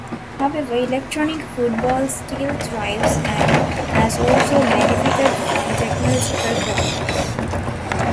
However, electric football still thrives and has also benefited from technological progress.